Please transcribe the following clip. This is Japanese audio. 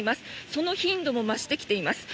その頻度も増してきています。